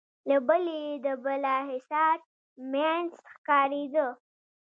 له بلې يې د بالاحصار مينځ ښکارېده.